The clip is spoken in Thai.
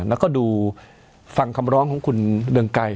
แล้วก็ดูฟังคำร้องของคุณเรืองไกร